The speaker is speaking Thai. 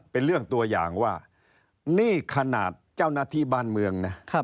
เป็นเรื่องตัวอย่างว่านี่ขนาดเจ้าหน้าที่บ้านเมืองนะ